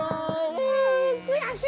うくやしい。